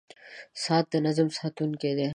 • ساعت د نظم ساتونکی دی.